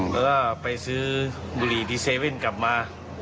แล้วก็ไปซื้อบุหรี่ดีเซเว่นกลับมา